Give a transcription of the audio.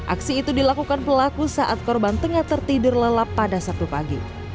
aksi itu dilakukan pelaku saat korban tengah tertidur lelap pada sabtu pagi